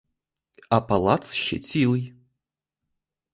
А палац ще цілий.